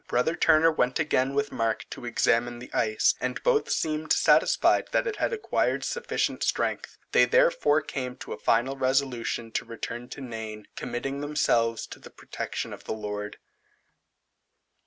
Brother Turner went again with Mark to examine the ice, and both seemed satisfied that it had acquired sufficient strength. They therefore came to a final resolution to return to Nain, committing themselves to the protection of the Lord.